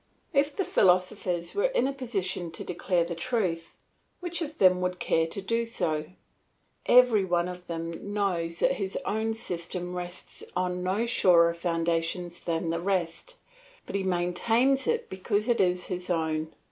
If the philosophers were in a position to declare the truth, which of them would care to do so? Every one of them knows that his own system rests on no surer foundations than the rest, but he maintains it because it is his own.